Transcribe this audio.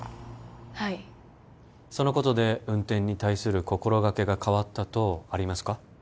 はいそのことで運転に対する心がけが変わった等ありますか？